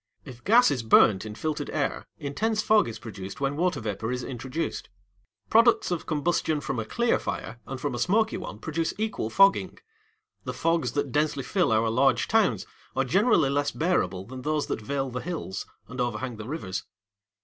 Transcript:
If gas is burnt in filtered air, intense fog is produced when water vapour is introduced. Products of combustion from a clear fire and from a smoky one produce equal fogging. The fogs that densely fill our large towns are generally less bearable than those that veil the hills and overhang the rivers.